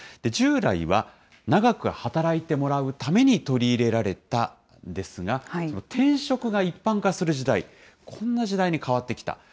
従来は長く働いてもらうために取り入れられたんですが、転職が一般化する時代、こんな時代に変わってきた。